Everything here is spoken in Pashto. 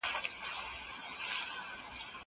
زه له سهاره کښېناستل کوم!؟